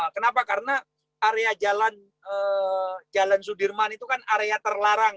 kenapa karena area jalan sudirman itu kan area terlarang